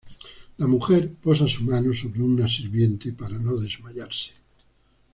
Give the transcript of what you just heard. La mujer posa su mano sobre una sirviente para no desmayarse.